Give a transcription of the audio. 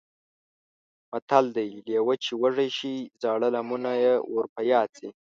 متل دی: لېوه چې وږی شي زاړه لمونه یې ور په یاد شي.